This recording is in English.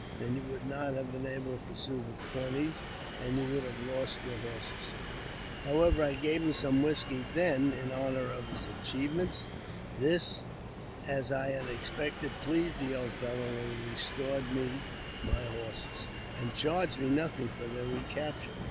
Then you would not have been able to pursue the Pawnees, and you would have lost your horses." However, I gave him some whisky then in honour of his achievement. This, as I had expected, pleased the old fellow, and he restored me my horses, and charged me nothing for their recapture.